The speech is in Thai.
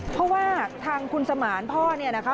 เพราะว่าทางคุณสมานพ่อเนี่ยนะคะ